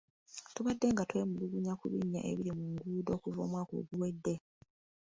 Tubaddenga twemulugunya ku binnya ebiri mu nguudo okuva omwaka oguwedde.